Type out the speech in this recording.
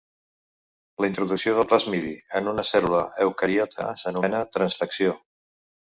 La introducció del plasmidi en una cèl·lula eucariota s'anomena transfecció.